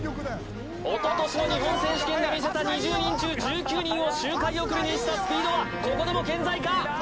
おととしの日本選手権で見せた２０人中１９人を周回遅れにしたスピードはここでも健在か？